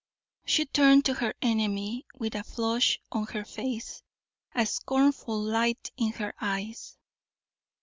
She turned to her enemy, with a flush on her face, a scornful light in her eyes.